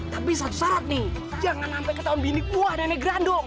tapi satu syarat nih jangan sampai ke tahun biniku wah dene grandung